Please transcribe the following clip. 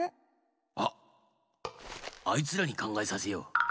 あっあいつらにかんがえさせよう！